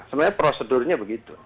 sebenarnya prosedurnya begitu